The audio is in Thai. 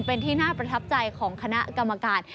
เป็นที่น่าประทับใจของคณะกรรมการ